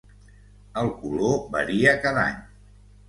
El color varia cada any.